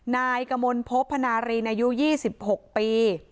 นายกมลพบพนารีนอายุ๒๖ปี